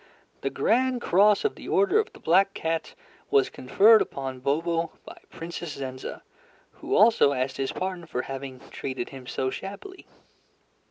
The Grand Cross of the Order of the Black Cat was conferred upon Bobo by Princess Zenza, who also asked his pardon for having treated him so shabbily.